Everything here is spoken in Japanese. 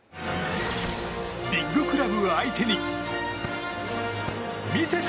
ビッグクラブ相手に見せた！